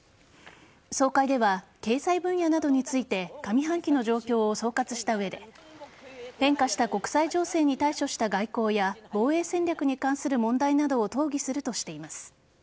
総会では経済分野などについて上半期の状況を総括した上で変化した国際情勢に対処した外交や防衛戦略に関する問題などを討議するとしています。